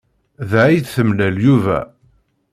Da ay d-temlal Yuba.